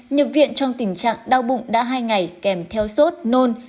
nhập viện trong tình trạng đau bụng đã hai ngày kèm theo sốt nôn